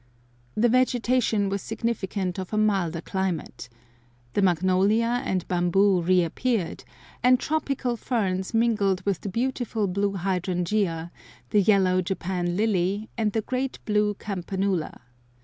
The vegetation was significant of a milder climate. The magnolia and bamboo re appeared, and tropical ferns mingled with the beautiful blue hydrangea, the yellow Japan lily, and the great blue campanula.